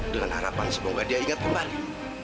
dengan harapan semoga dia ingat kembali